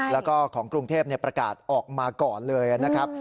แล้วก็ของกรุงเทพประกาศออกมาก่อนเลยนะครับ